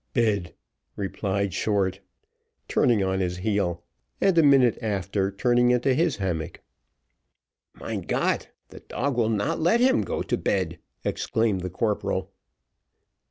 "Bed," replied Short, turning on his heel, and a minute after turning into his hammock. "Mein Got, the dog will not let him go to bed," exclaimed the corporal.